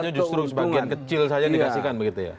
atau justru sebagian kecil saja dikasihkan begitu ya